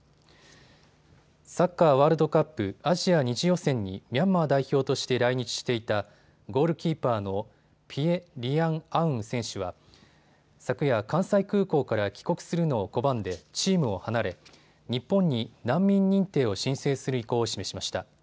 サッカーワールドカップアジア２次予選にミャンマー代表として来日していたゴールキーパーのピエ・リアン・アウン選手は昨夜、関西空港から帰国するのを拒んでチームを離れ日本に難民認定を申請する意向を示しました。